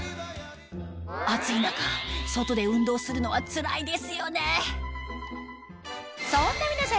暑い中外で運動するのはつらいですよね